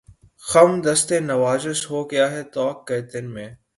خمِ دستِ نوازش ہو گیا ہے طوق گردن میں